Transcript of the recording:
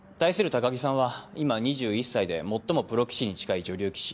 高城さんは今２１歳で最もプロ棋士に近い女流棋士。